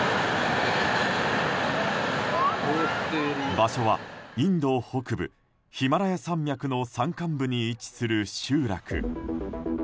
場所はインド北部ヒマラヤ山脈の山間部に位置する集落。